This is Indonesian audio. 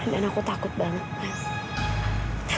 dan aku takut banget man